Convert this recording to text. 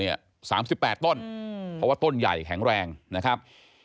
๓๘ต้นเพราะว่าต้นใหญ่แข็งแรงนะครับ